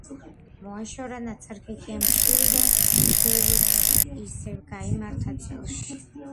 მოაშორა ნაცარქექიამ ჩხირი და დევიც ისევ გაიმართა წელში.